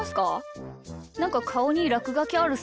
なんかかおにらくがきあるっすよ。